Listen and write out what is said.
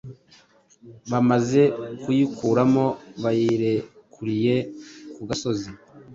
Bamaze kuyikuramo bayirekuriye ku gasozi